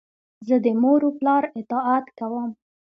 زه د مور و پلار اطاعت کوم.